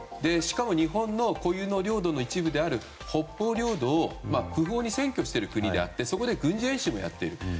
しかも日本の固有の領土の一部である北方領土を不法に占拠している国であってそこで軍事演習もやっている。